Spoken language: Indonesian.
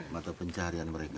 mata pencarian mereka